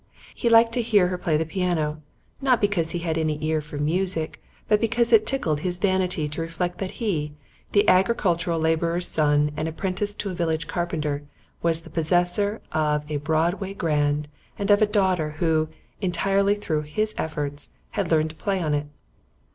He liked to hear her play the piano, not because he had any ear for music, but because it tickled his vanity to reflect that he, the agricultural labourer's son and apprentice to a village carpenter, was the possessor both of a Broadway Grand and of a daughter who, entirely through his efforts, had learned to play on it.